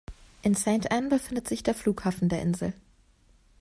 In Saint Anne befindet sich der Flughafen der Insel.